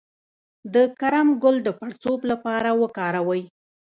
د کرم ګل د پړسوب لپاره وکاروئ